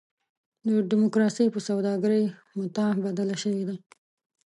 ډیموکراسي په سوداګرۍ متاع بدله شوې ده.